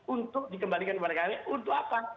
untuk dikembalikan kepada kami untuk apa